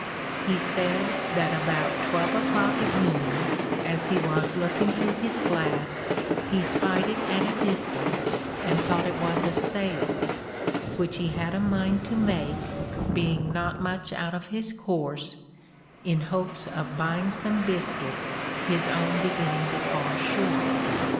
He said that about twelve o'clock at noon, as he was looking through his glass, he spied it at a distance, and thought it was a sail, which he had a mind to make, being not much out of his course, in hopes of buying some biscuit, his own beginning to fall short.